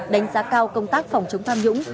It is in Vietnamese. đánh giá cao công tác phòng chống tham nhũng